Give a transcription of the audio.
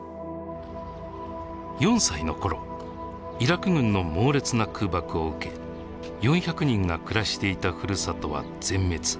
４歳の頃イラク軍の猛烈な空爆を受け４００人が暮らしていたふるさとは全滅。